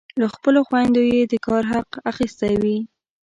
له خپلو خویندو یې د کار حق اخیستی وي.